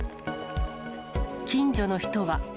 近所の人は。